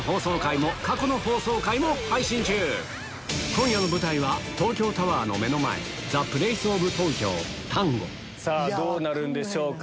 今夜の舞台は東京タワーの目の前さぁどうなるんでしょうか？